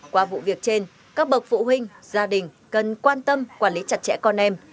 qua vụ việc trên các bậc phụ huynh gia đình cần quan tâm quản lý chặt chẽ con em